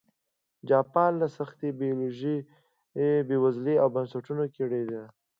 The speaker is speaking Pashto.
جاپان له سختې بېوزلۍ او بنسټونو کړېده.